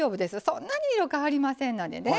そんなに色変わりませんのでね。